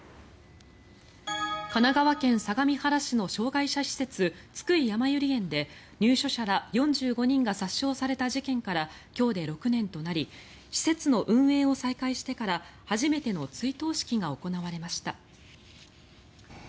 神奈川県相模原市の障害者施設津久井やまゆり園で入所者ら４５人が殺傷された事件から今日で６年となり施設の運営を再開してから初めての追悼式が行われました。